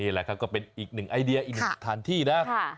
แหละครับก็เป็นอีกหนึ่งไอเดียอีกหนึ่งสถานที่นะ